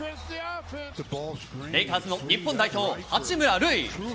レイカーズの日本代表、八村塁。